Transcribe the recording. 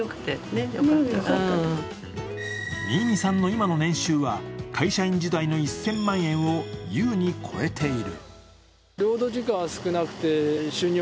新見さんの今の年収は会社員時代の１０００万円を優に超えている。